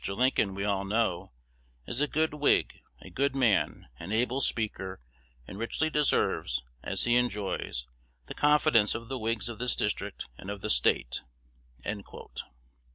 Lincoln, we all know, is a good Whig, a good man, an able speaker, and richly deserves, as he enjoys, the confidence of the Whigs of this district and of the State."